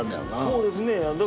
そうですね。